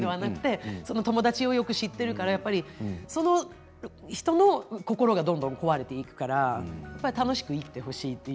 友達をよく知っているからその人の心がどんどん壊れていくから楽しく生きてほしいと。